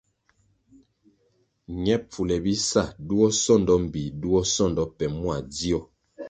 Ñe pfule bisa duo sondo mbpi duo sondo pe mua ndzio.